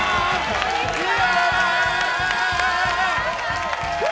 こんにちは！